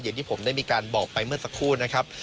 อย่างที่ผมได้มีการบอกไปเมื่อสักครู่นะครับ